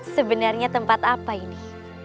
sebenarnya tempat apa ini